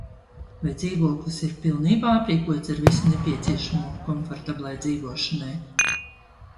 Vai dzīvoklis ir pilnībā aprīkots ar visu nepieciešamo komfortablai dzīvošanai?